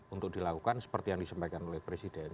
untuk dilakukan seperti yang disampaikan oleh presiden